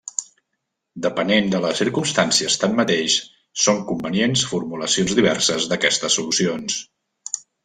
Depenent de les circumstàncies, tanmateix, són convenients formulacions diverses d'aquestes solucions.